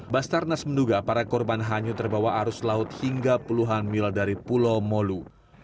basarnas menduga para korban hanyut terbawa arus laut hingga puluhan mil dari pulau molu